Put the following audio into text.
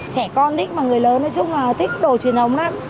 trẻ con ít mà người lớn nói chung là thích đồ truyền thống lắm